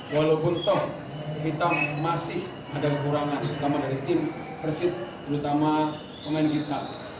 walaupun kita masih ada kekurangan terutama dari tim persit terutama pemain kita